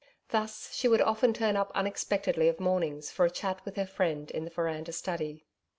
Thus she would often turn up unexpectedly of mornings for a chat with her friend in the veranda study.